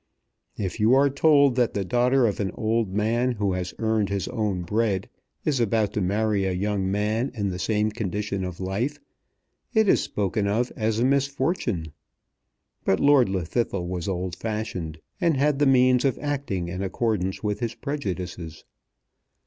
If you are told that the daughter of an old man who has earned his own bread is about to marry a young man in the same condition of life, it is spoken of as a misfortune. But Lord Llwddythlw was old fashioned, and had the means of acting in accordance with his prejudices.